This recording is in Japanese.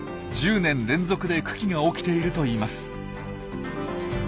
１０年連続で群来が起きているといいます。